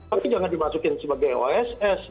tapi jangan dimasukin sebagai oss